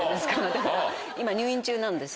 だから今入院中なんです。